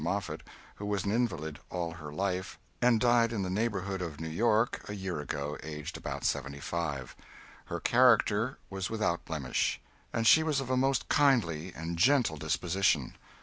Moffett, who was an invalid all her life and died in the neighborhood of New York a year ago, aged about seventy five. Her character was without blemish, and she was of a most kindly and gentle disposition.